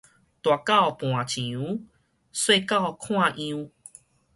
大狗盤牆，細狗看樣